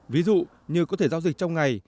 ví dụ như có thể giao dịch trong ngày